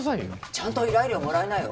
ちゃんと依頼料もらいなよ。